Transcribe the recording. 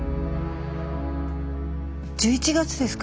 １１月ですか？